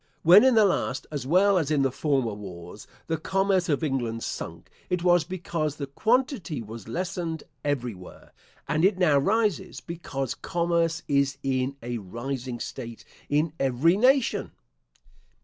When in the last, as well as in former wars, the commerce of England sunk, it was because the quantity was lessened everywhere; and it now rises, because commerce is in a rising state in every nation.